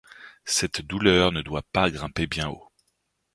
cette douleur ne doit pas grimper bien haut.